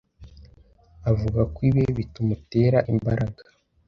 Avuga ko ibi bitumutera imbaraga